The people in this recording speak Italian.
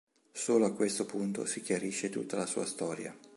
Solo a questo punto si chiarisce tutta la sua storia.